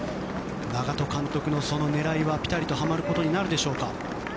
長門監督の狙いはピタリとはまることになるでしょうか。